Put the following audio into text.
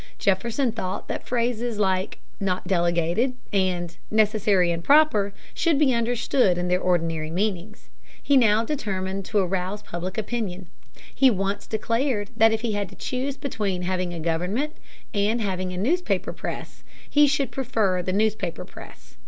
Jefferson thought that phrases like "not delegated" and "necessary and proper" should be understood in their ordinary meanings. He now determined to arouse public opinion. He once declared that if he had to choose between having a government and having a newspaper press, he should prefer the newspaper press.